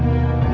saya ikut bapak